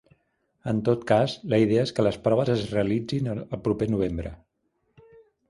En tot cas, la idea és que les proves es realitzin el proper novembre.